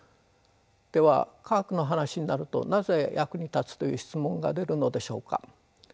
では科学の話になるとなぜ役に立つという質問が出るのでしょうか？